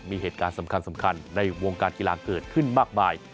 มีเหตุการณ์สำคัญในวงการกีฬาเกิดขึ้นมากมาย